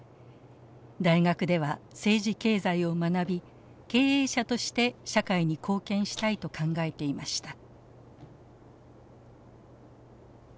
大学では政治経済を学び経営者として社会に貢献したいと考えていました。